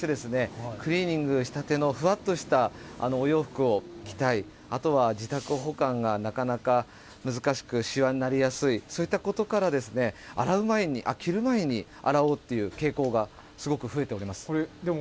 最近の傾向として、クリーニングしたてのふわっとしたお洋服を着たい、あとは自宅保管がなかなか難しく、しわになりやすい、そういったことから、着る前に洗おうっていう傾向がすごく増えております。